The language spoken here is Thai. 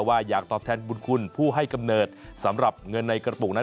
ว่าอยากตอบแทนบุญคุณผู้ให้กำเนิดสำหรับเงินในกระปุกนั้น